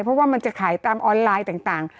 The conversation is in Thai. เพราะว่ามันจะขายตามออนไลน์ต่าง